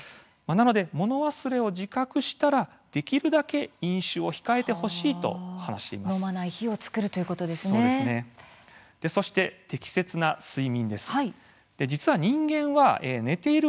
物忘れを自覚したらできるだけ飲酒を控えてほしいと話しています。